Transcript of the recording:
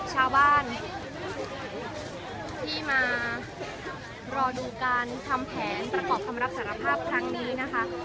ชาวบ้านที่มารอดูการทำแผนประกอบคำรับสารภาพครั้งนี้นะคะ